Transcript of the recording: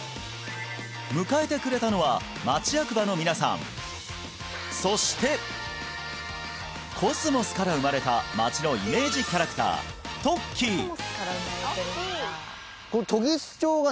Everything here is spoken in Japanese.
迎えてくれたのは町役場の皆さんそしてコスモスから生まれた町のイメージキャラクター「とっきー」